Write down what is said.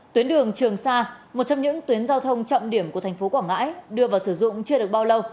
tuyến đường trường sa một trong những tuyến giao thông trọng điểm của thành phố quảng ngãi đưa vào sử dụng chưa được bao lâu